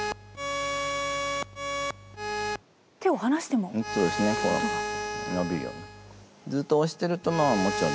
手を離しても音が？